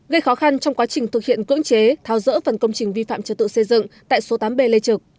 gây khó khăn trong quá trình thực hiện cưỡng chế tháo rỡ phần công trình vi phạm trật tự xây dựng tại số tám b lê trực